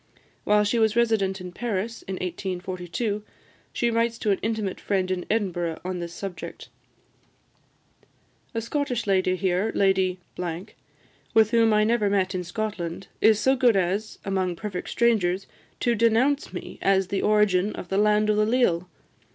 While she was resident in Paris, in 1842, she writes to an intimate friend in Edinburgh on this subject: "A Scottish lady here, Lady , with whom I never met in Scotland, is so good as, among perfect strangers, to denounce me as the origin of 'The Land o' the Leal!'